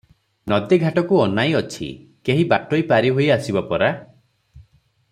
ନଦୀଘାଟକୁ ଅନାଇ ଅଛି; କେହି ବାଟୋଇ ପାରିହୋଇ ଆସିବ ପରା!